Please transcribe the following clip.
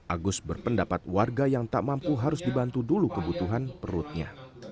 agus berpendapat warga yang tak mampu harus dibantu dulu kebutuhan perutnya